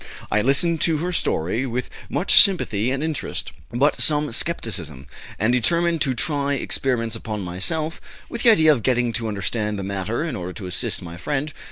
I listened to her story with much sympathy and interest, but some skepticism, and determined to try experiments upon myself, with the idea of getting to understand the matter in order to assist my friend.